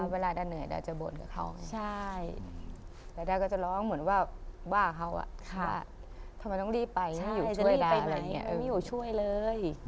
เวลาดาร์เหนื่อยดาร์จะบ่นกับเขาใช่แล้วดาร์ก็จะร้องเหมือนว่าว่าเขาอ่ะค่ะทำไมต้องรีบไปอยู่ช่วยดาร์ไม่อยู่ช่วยเลย